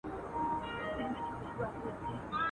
نیمايی ډوډۍ یې نه وه لا خوړلې !.